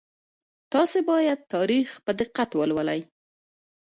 تاسي باید تاریخ په دقت ولولئ.